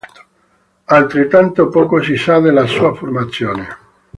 Altrettanto poco si sa della sua formazione.